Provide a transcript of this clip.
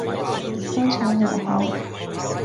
干炒牛河